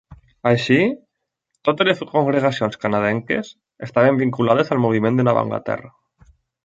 Així, totes les congregacions canadenques estaven vinculades al moviment de Nova Anglaterra.